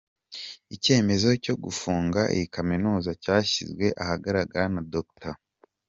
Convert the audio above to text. Icyemezo cyo gufunga iyi Kaminuza cyashyizwe ahagaragara na Dr.